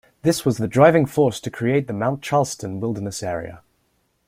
This was the driving force to create the Mount Charleston Wilderness area.